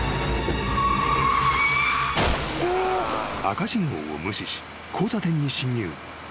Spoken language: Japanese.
［赤信号を無視し交差点に進入］